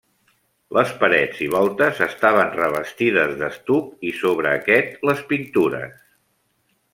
Les parets i voltes estaven revestides d'estuc i sobre aquest, les pintures.